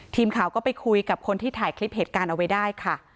ทีมข่าวก็ไปคุยกับคนที่ถ่ายคลิปเหตุการณ์เอาไว้ได้ค่ะ